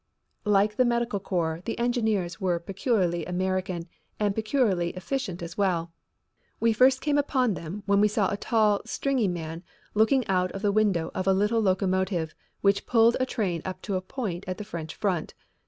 Like the medical corps, the engineers were peculiarly American and peculiarly efficient as well. We first came upon them when we saw a tall, stringy man looking out of the window of a little locomotive which pulled a train up to a point at the French front.